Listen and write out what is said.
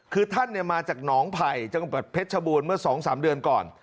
คือท่านมาจากหนองไผ่จังหวัดเพชรชบูรณ์เมื่อ๒๓เดือนก่อน